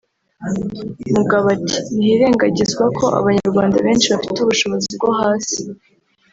Mugabo ati “Ntihirengagizwa ko Abanyarwanda benshi bafite ubushobozi bwo hasi